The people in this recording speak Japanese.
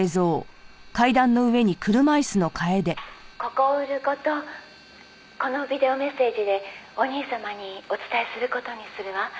「ここを売る事このビデオメッセージでお兄様にお伝えする事にするわ」